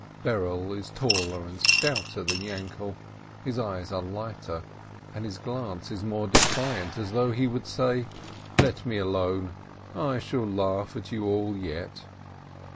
Berele is taller and stouter than Yainkele, his eyes are lighter, and his glance is more defiant, as though he would say, "Let me alone, I shall laugh at you all yet